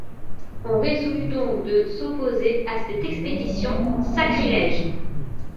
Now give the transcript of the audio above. On résolut donc de s’opposer à cette expédition sacrilège.